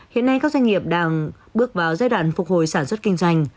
hiện nay các doanh nghiệp đang bước vào giai đoạn phục hồi sản xuất kinh doanh